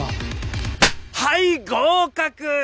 はい合格！